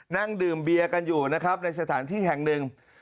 นั่งดื่มเบียร์กันอยู่นะครับในสถานที่แห่งหนึ่ง